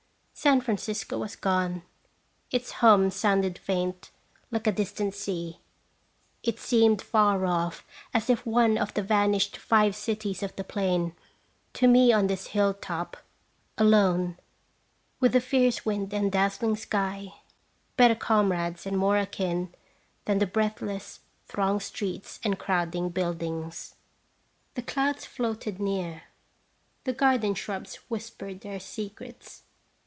San Francisco was gone; its hum sounded faint, like a distant sea ; it seemed far off, as 296 "&r* tl)* Wecti if one of the vanished Five Cities of the Plain, to me on this hilltop, alone, with the fierce wind and dazzling sky, better comrades and more akin than the breathless, thronged streets and crowding buildings. The clouds floated near. The garden shrubs whispered their secrets.